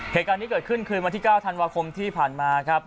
เหตุการณ์นี้เกิดขึ้นคืนวันที่๙ธันวาคมที่ผ่านมาครับ